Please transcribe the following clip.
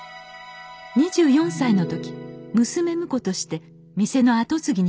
２４歳の時娘婿として店の後継ぎになりました。